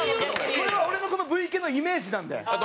これは俺のＶ系のイメージなんで。